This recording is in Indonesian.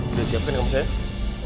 udah siapin kamu sayang